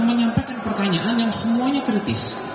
menyampaikan pertanyaan yang semuanya kritis